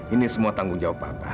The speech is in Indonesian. ini semua tanggung jawab bapak